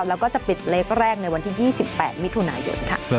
แล้วก็จะปิดเล็กแรกในวันที่๒๘มิถุนายน